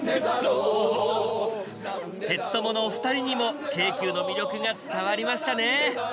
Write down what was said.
テツトモのお二人にも京急の魅力が伝わりましたね。